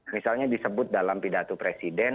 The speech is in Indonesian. misalnya disebut dalam pidato presiden